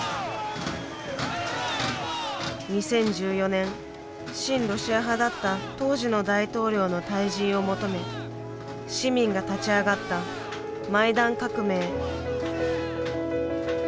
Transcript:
２０１４年親ロシア派だった当時の大統領の退陣を求め市民が立ち上がったマイダン革命。